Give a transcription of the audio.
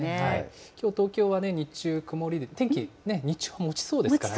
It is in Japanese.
きょう、東京はね、日中曇りで、天気、日中はもちそうですからね。